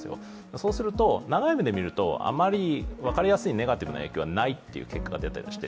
そうすると、長い目で見るとあまりネガティブな影響はないという結果が出ています。